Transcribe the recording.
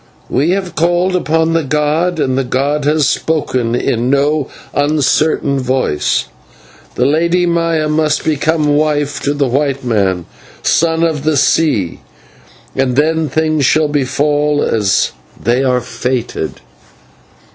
We have called upon the god, and the god has spoken in no uncertain voice. The Lady Maya must become wife to the white man, Son of the Sea, and then things shall befall as they are fated."